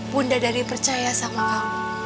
bunda dari percaya sama kamu